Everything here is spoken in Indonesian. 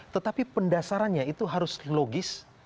tetapi pendasarannya itu harus logis